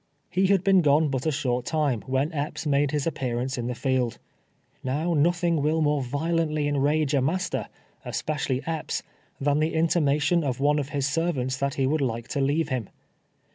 He had been gone but a short time, when Epps made his appearance in the field. ISTow nothing will more violently enrage a master, especially Epps, than the intimation of one of his servants that he would like to leave him.